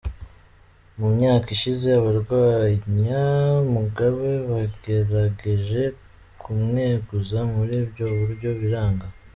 Mu myaka ishize abarwanya Mugabe bagerageje kumweguza muri ubwo buryo biranga.